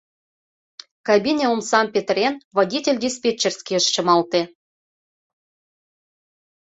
Кабине омсам петырен, водитель диспетчерскийыш чымалте.